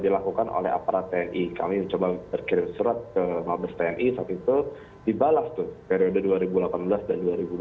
dilakukan oleh aparat tni kami coba berkirim surat ke mahasiswa tni saat itu dibalas periode dua ribu delapan belas dan